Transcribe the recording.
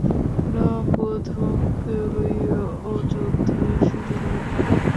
রাম বধূকে লইয়া অযোধ্যায় ফিরিলেন।